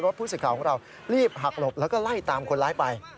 แล้วก็พูดสิทธิ์ข่าวของเรารีบหักหลบแล้วก็ไล่ตามคนร้ายไป